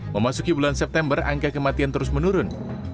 memasuki bulan september angka kematian terus menurun